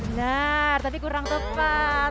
benar tapi kurang tepat